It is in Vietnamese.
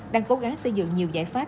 đang cố gắng xây dựng nhiều giải pháp